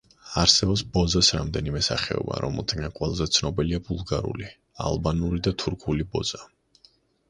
არსებობს ბოზას რამდენიმე სახეობა, რომელთაგან ყველაზე ცნობილია ბულგარული, ალბანური და თურქული ბოზა.